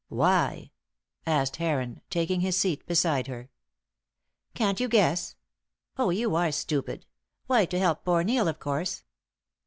"Why?" asked Heron, taking his seat beside her. "Can't you guess? Oh, you are stupid. Why, to help poor Neil, of course."